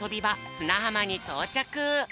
すなはまにとうちゃく。